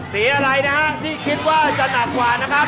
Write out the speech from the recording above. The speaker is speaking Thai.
สีอะไรนะฮะที่คิดว่าจะหนักกว่านะครับ